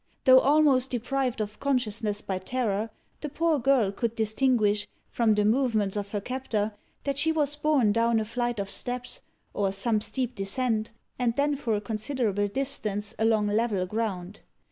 Though almost deprived of consciousness by terror, the poor girl could distinguish, from the movements of her captor, that she was borne down a flight of steps, or some steep descent, and then for a considerable distance along level ground.